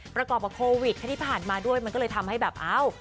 ประกอบกับโควิดค่ะที่ผ่านมาด้วยมันก็เลยทำให้แบบเอ้า